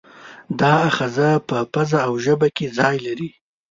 دا آخذه په پزه او ژبه کې ځای لري.